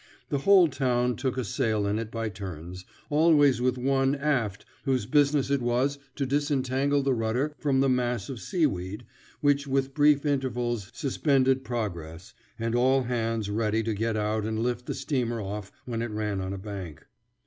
The whole town took a sail in it by turns, always with one aft whose business it was to disentangle the rudder from the mass of seaweed which with brief intervals suspended progress, and all hands ready to get out and lift the steamer off when it ran on a bank.